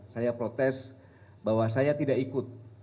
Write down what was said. saya protes bahwa saya tidak ikut